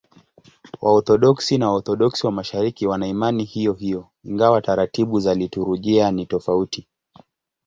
Waorthodoksi na Waorthodoksi wa Mashariki wana imani hiyohiyo, ingawa taratibu za liturujia ni tofauti.